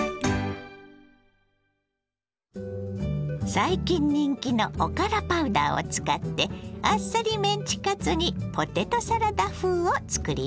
最近人気のおからパウダーを使ってあっさりメンチカツにポテトサラダ風を作ります。